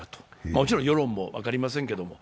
もちろん世論も分かりませんけれども。